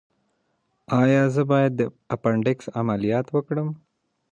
ایا زه باید د اپنډکس عملیات وکړم؟